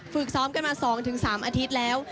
ฝึกซ้อมกันมา๒๓อาทิตย์แล้ว